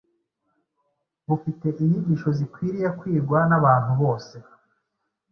bufite inyigisho zikwiriye kwigwa n’abantu bose